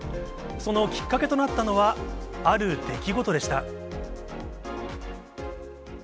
そのきっかけとなったのは、ある出来事でした。